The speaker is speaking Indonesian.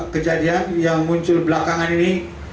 kejadian yang muncul belakangan ini